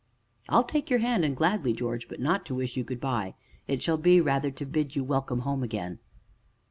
"I'll take your hand and gladly, George, but not to wish you good by it shall be, rather, to bid you welcome home again."